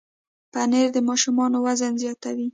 پنېر د ماشومانو وزن زیاتوي.